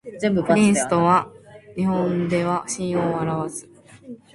プリンスとは日本では親王を表す